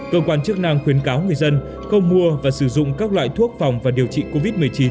cơ quan chức năng khuyến cáo người dân không mua và sử dụng các loại thuốc phòng và điều trị covid một mươi chín